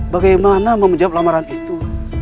bagaimana mau menjawab lamaran itu